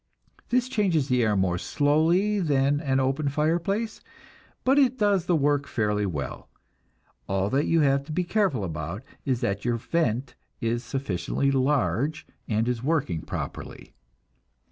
This changes the air more slowly than an open fireplace, but it does the work fairly well. All that you have to be careful about is that your vent is sufficiently large and is working properly.